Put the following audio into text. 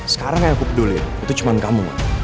sekarang yang aku peduli itu cuma kamu